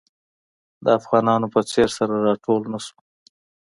د افغانانو په څېر سره راټول نه شو.